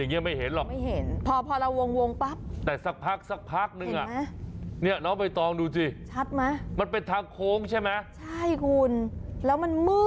อางกรุงกลมชาติแดงมันเริ่มชาติแล้ว